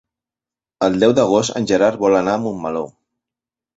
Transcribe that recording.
El deu d'agost en Gerard vol anar a Montmeló.